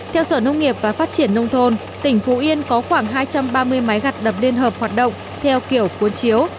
theo sở nông nghiệp và phát triển nông thôn tỉnh phú yên có khoảng hai trăm ba mươi máy gặt đập liên hợp hoạt động theo kiểu cuốn chiếu